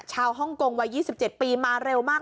ฮ่องกงวัย๒๗ปีมาเร็วมาก